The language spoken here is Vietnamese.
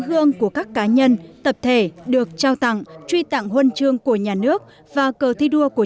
gương của các cá nhân tập thể được trao tặng truy tặng huân chương của nhà nước và cờ thi đua của